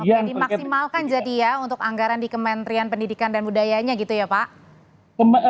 oke dimaksimalkan jadi ya untuk anggaran di kementerian pendidikan dan budayanya gitu ya pak